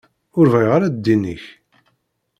Ur bɣiɣ ara ddin-ik.